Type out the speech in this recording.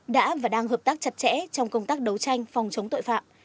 đã và đang hợp tác chặt chẽ trong công tác đấu tranh phòng chống tội phạm